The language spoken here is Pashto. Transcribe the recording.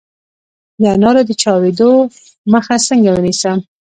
د انارو د چاودیدو مخه څنګه ونیسم؟